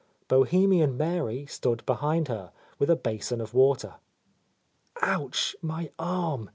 Bohemian Mary stood behind her, with a basin of water. "Ouch, my arm!"